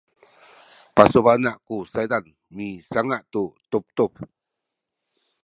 pasubana’ ku saydan misanga’ tu tubtub